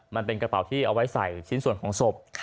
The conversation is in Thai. มันเป็นกระเป๋าที่เอาไว้ใส่ชิ้นส่วนของศพ